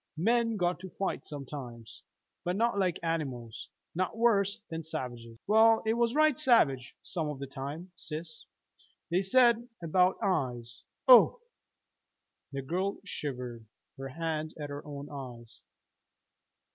Men got to fight sometimes." "But not like animals, not worse than savages!" "Well, it was right savage, some of the time, sis." "They said about eyes oh!" The girl shivered, her hands at her own eyes.